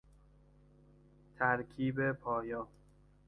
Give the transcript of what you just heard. ترکیب پایا